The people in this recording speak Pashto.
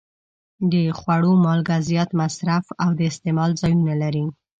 د خوړو مالګه زیات مصرف او د استعمال ځایونه لري.